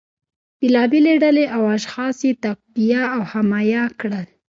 بیلابیلې ډلې او اشخاص یې تقویه او حمایه کړل